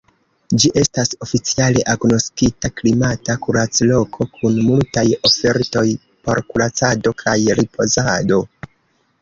Ĝi estas oficiale agnoskita klimata kuracloko kun multaj ofertoj por kuracado kaj ripozado.